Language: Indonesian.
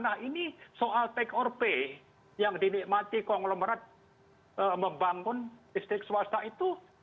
nah ini soal take or pay yang dinikmati konglomerat membangun listrik swasta itu